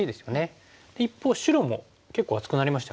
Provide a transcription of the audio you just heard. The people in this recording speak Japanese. で一方白も結構厚くなりましたよね。